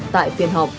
tại phiên họp